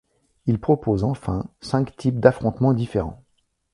Il propose enfin cinq types d’affrontements différents.